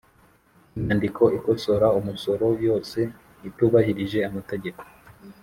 Inyandiko ikosora umusoro yose itubahirije amategeko.